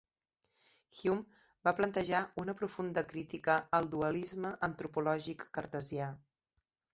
Hume va plantejar una profunda crítica al dualisme antropològic cartesià.